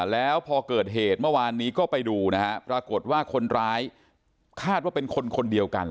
แล้วพอเกิดเหตุเมื่อวานนี้ก็ไปดูนะฮะปรากฏว่าคนร้ายคาดว่าเป็นคนคนเดียวกัน